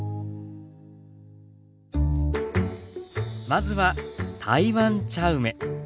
まずは台湾茶梅。